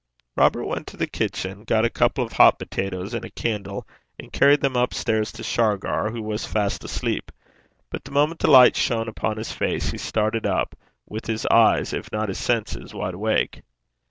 Robert went to the kitchen, got a couple of hot potatoes and a candle, and carried them up stairs to Shargar, who was fast asleep. But the moment the light shone upon his face, he started up, with his eyes, if not his senses, wide awake.